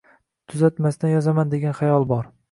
Tuzatmasdan yozaman degan xayol bor.